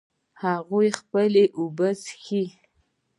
هغوی خپلې اوبه څښي